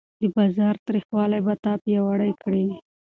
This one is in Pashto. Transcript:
د بازار تریخوالی به تا پیاوړی کړي.